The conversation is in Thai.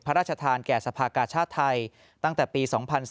พระราชทานแก่สภากาชาติไทยตั้งแต่ปี๒๔